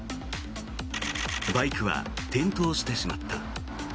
バイクは転倒してしまった。